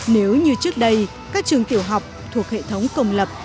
nếu như trước đây các trường tiểu học thuộc hệ thống công lập